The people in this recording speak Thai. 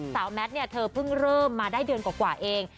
แมทเธอเพิ่งเริ่มมาได้เดือนกว่าเอง